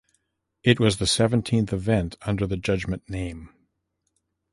It was the seventeenth event under the Judgement name.